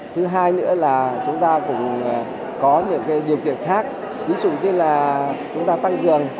thứ hai nữa là chúng ta cũng có những điều kiện khác ví dụ như là chúng ta tăng cường